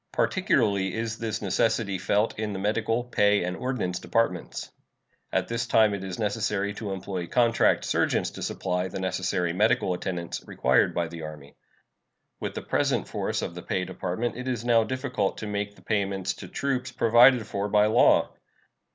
Particularly is this necessity felt in the Medical, Pay, and Ordnance departments. At this time it is necessary to employ "contract surgeons" to supply the necessary medical attendance required by the Army. With the present force of the Pay Department it is now difficult to make the payments to troops provided for by law.